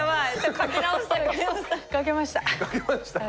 書けました？